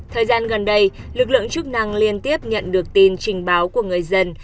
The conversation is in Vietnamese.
thời gian gần đây lực lượng chức năng liên tiếp nhận được tin trình báo của người dân